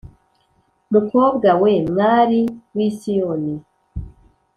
mukobwa we, mwari w’i Siyoni?